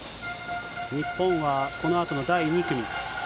日本はこのあとの第２組。